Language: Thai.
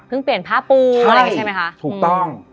เพิ่งเปลี่ยนพาปูใช่ไหมคะ